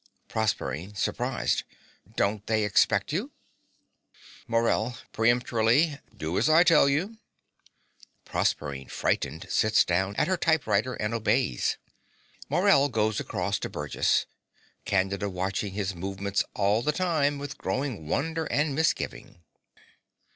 PROSERPINE (surprised). Don't they expect you? MORELL (peremptorily). Do as I tell you. (Proserpine frightened, sits down at her typewriter, and obeys. Morell goes across to Burgess, Candida watching his movements all the time with growing wonder and misgiving.)